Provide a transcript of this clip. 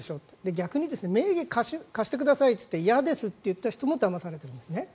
逆に名義を貸してくださいと言って嫌ですと言った人もだまされたんですね。